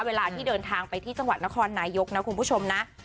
เวลาที่เดินทางไปที่จังหวัดนครนายกนะคุณผู้ชมนะ